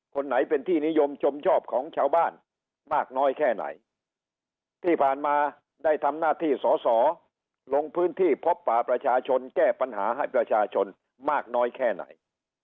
คนไหนเป็นที่นิยมชมชอบของชาวบ้านมากน้อยแค่ไหนที่ผ่านมาได้ทำหน้าที่สอสอลงพื้นที่พบป่าประชาชนแก้ปัญหาให้ประชาชนมากน้อยแค่ไหน